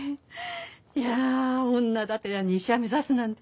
いやあ女だてらに医者目指すなんてね。